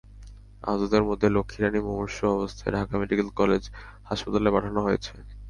আহতদের মধ্যে লক্ষ্মী রানীকে মুমূর্ষু অবস্থায় ঢাকা মেডিকেল কলেজ হাসপাতালে পাঠানো হয়েছে।